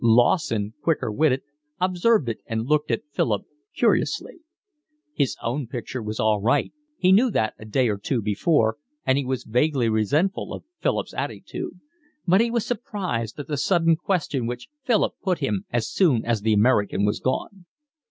Lawson, quicker witted, observed it and looked at Philip curiously. His own picture was all right, he knew that a day or two before, and he was vaguely resentful of Philip's attitude. But he was surprised at the sudden question which Philip put him as soon as the American was gone.